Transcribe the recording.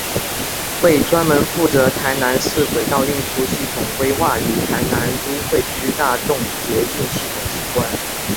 为专门负责台南市轨道运输系统规划与台南都会区大众捷运系统机关。